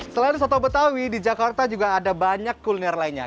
selain soto betawi di jakarta juga ada banyak kuliner lainnya